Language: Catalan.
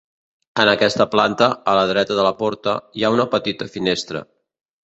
En aquesta planta, a la dreta de la porta, hi ha una petita finestra.